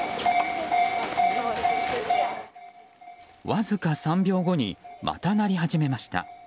わずか３秒後にまた鳴り始めました。